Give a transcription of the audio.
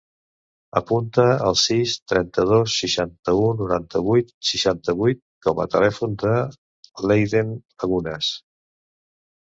Apunta el sis, trenta-dos, seixanta-u, noranta-vuit, seixanta-vuit com a telèfon de l'Eiden Lagunas.